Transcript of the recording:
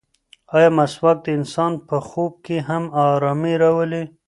ایا مسواک د انسان په خوب کې هم ارامي راولي؟